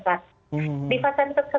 kita kontak dengan atau bergejala